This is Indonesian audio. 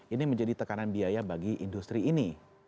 ini menjadi tekanan biaya bagi industri ini